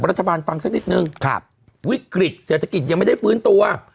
วัฒนาธบาลฟังสักนิดหนึ่งครับวิกฤติเศรษฐกิจยังไม่ได้ฟื้นตัว